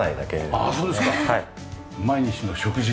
あっそうですね。